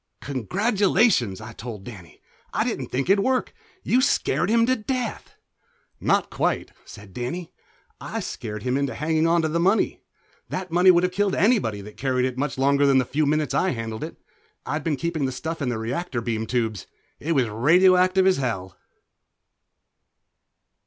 "Congratulations," I told Danny. "I didn't think it'd work. You scared him to death." "Not quite," said Danny. "I scared him into hanging onto the money. That money would have killed anybody that carried it much longer than the few minutes I handled it. I'd been keeping the stuff in the reactor beam tubes. It was radioactive as hell."